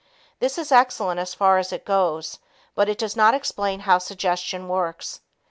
This is excellent as far as it goes, but it does not explain how suggestion works.